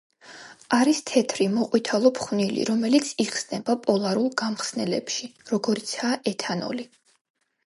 არის თეთრი, მოყვითალო ფხვნილი, რომელიც იხსნება პოლარულ გამხსნელებში, როგორიცაა ეთანოლი.